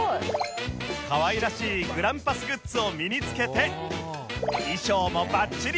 かわいらしいグランパスグッズを身につけて衣装もバッチリ！